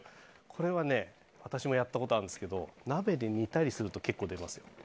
これは私もやったことあるんですけど鍋で煮たりすると結構出ます。